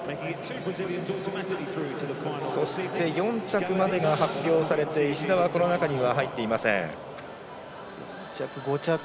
そして４着までが発表されて石田はこの中には入っていません。